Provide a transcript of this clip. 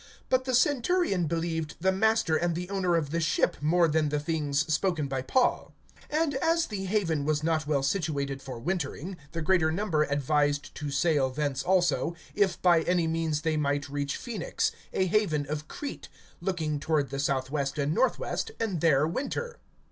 (11)But the centurion believed the master and the owner of the ship, more than the things spoken by Paul. (12)And as the haven was not well situated for wintering, the greater number advised to sail thence also, if by any means they might reach Phoenix, a haven of Crete, looking toward the southwest and northwest, and there winter.